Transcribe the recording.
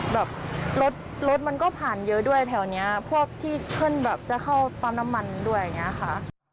แบบรถมันก็ผ่านเยอะด้วยแถวนี้พวกที่เคลื่อนแบบจะเข้าปั้นน้ำมันด้วยค่ะ